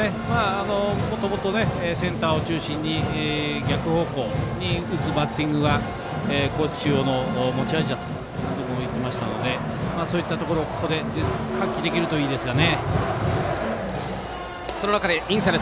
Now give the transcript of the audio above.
もっとセンターを中心に逆方向に打つバッティングが高知中央の持ち味だと監督も言っていましたのでそういったところここで発揮できるといいですが。